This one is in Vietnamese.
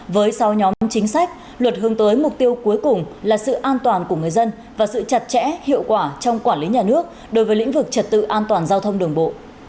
với sáu nhóm chính sách luật hướng tới mục tiêu cuối cùng là sự an toàn của người dân và sự chặt chẽ hiệu quả trong quản lý nhà nước đối với lĩnh vực trật tự an toàn giao thông đường bộ